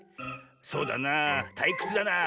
『そうだなあ。たいくつだなあ。